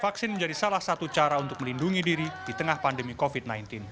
vaksin menjadi salah satu cara untuk melindungi diri di tengah pandemi covid sembilan belas